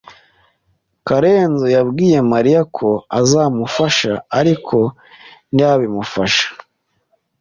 Karenzo yabwiye Mariya ko azamufasha, ariko ntiyabimufasha.